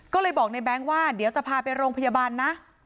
ก็เลยบอกในแบงค์ว่าเดี๋ยวจะพาไปโรงพยาบาลนะ